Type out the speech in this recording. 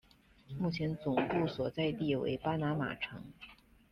目前总部所在地为巴拿马城。